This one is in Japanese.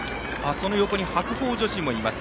その横に白鵬女子もいます。